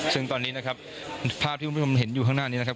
ซึ่งตอนนี้นะครับภาพที่คุณผู้ชมเห็นอยู่ข้างหน้านี้นะครับ